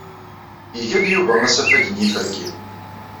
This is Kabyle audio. Iga-d Yuba asafag n yiferki.